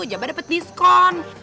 jabar dapet diskon